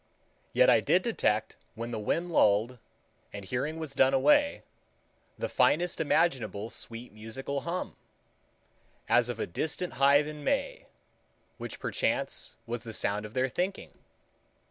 Yet I did detect, when the wind lulled and hearing was done away, the finest imaginable sweet musical hum,—as of a distant hive in May, which perchance was the sound of their thinking.